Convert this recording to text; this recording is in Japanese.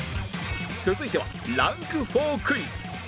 続いてはランク４クイズ